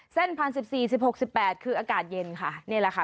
พันสิบสี่สิบหกสิบแปดคืออากาศเย็นค่ะนี่แหละค่ะ